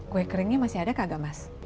kue keringnya masih ada kaga mas